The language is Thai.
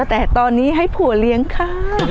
แต่ตอนนี้ให้ผัวเลี้ยงค่ะ